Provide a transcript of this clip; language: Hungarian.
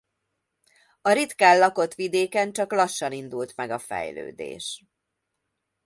A ritkán lakott vidéken csak lassan indult meg a fejlődés.